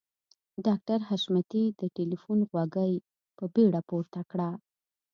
ډاکټر حشمتي د ټليفون غوږۍ په بیړه پورته کړه.